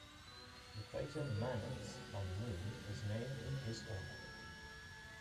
The crater Manners on the Moon is named in his honour.